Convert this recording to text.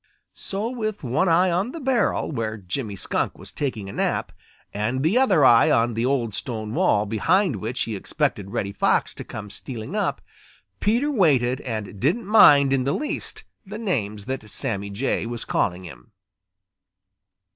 So with one eye on the barrel where Jimmy Skunk was taking a nap, and the other eye on the old stone wall behind which he expected Reddy Fox to come stealing up, Peter waited and didn't mind in the least the names that Sammy Jay was calling him.